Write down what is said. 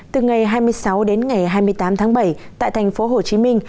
từ ngày hai mươi sáu đến ngày hai mươi tám tháng bảy tại thành phố hồ chí minh